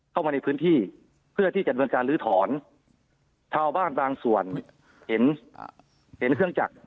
เข้ามาในพื้นที่เพื่อที่จะดำเนินการลื้อถอนชาวบ้านบางส่วนเห็นเห็นเครื่องจักร